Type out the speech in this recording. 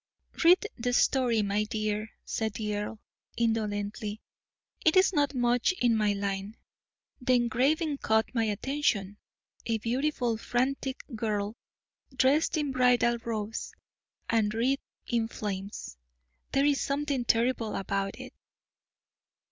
"Read the story, my dear," said the earl, indolently; "it is not much in my line. The engraving caught my attention a beautiful, frantic girl, dressed in bridal robes and wreathed in flames. There is something terrible about it."